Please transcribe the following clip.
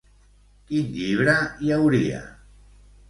Quin llibre hi hauria?